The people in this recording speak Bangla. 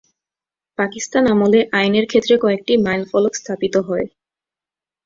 পাকিস্তান আমলে আইনের ক্ষেত্রে কয়েকটি মাইলফলক স্থাপিত হয়।